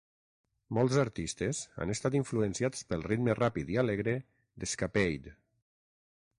Molts artistes han estat influenciats pel ritme ràpid i alegre d'"Escapade".